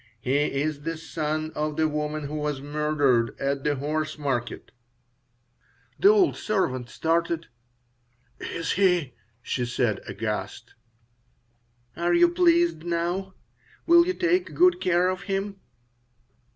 "He is the son of the woman who was murdered at the Horse market." The old servant started. "Is he?" she said, aghast "Are you pleased now? Will you take good care of him?"